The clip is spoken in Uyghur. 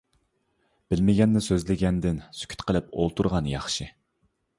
بىلمىگەننى سۆزلىگەندىن، سۈكۈت قىلىپ ئولتۇرغان ياخشى.